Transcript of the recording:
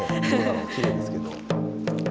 きれいですけど。